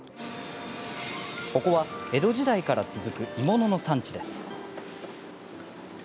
ここは江戸時代から続く鋳物の産地です。